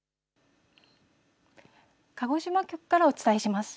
鹿児島局からお伝えします。